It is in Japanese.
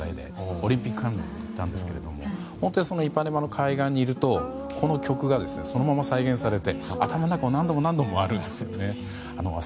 オリンピックなどで行ったんですが本当にイパネマの海岸にいるとこの曲がそのまま再現されて頭の中を何度も巡るんです。